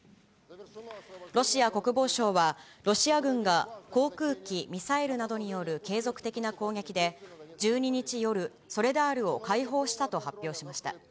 ロシア国防省は、ロシア軍が航空機、ミサイルなどによる継続的な攻撃で１２日夜、ソレダールを解放したと発表しました。